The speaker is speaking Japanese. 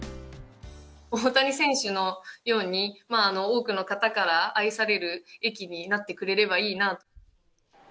大谷選手のように、多くの方から愛される駅になってくれればいいなと。